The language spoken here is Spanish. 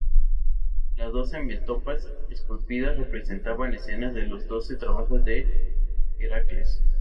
Las doce metopas esculpidas representaban escenas de los doce trabajos de Heracles.